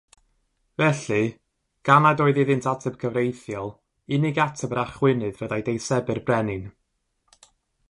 Felly, gan nad oedd iddynt ateb cyfreithiol, unig ateb yr achwynydd fyddai deisebu'r Brenin.